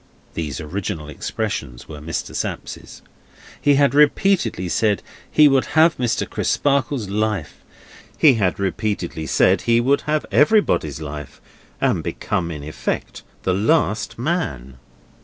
(Those original expressions were Mr. Sapsea's.) He had repeatedly said he would have Mr. Crisparkle's life. He had repeatedly said he would have everybody's life, and become in effect the last man.